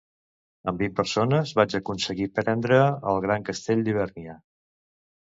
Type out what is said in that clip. Amb vint persones vaig aconseguir prendre el gran castell d'Hivèrnia.